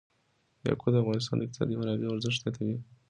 یاقوت د افغانستان د اقتصادي منابعو ارزښت زیاتوي.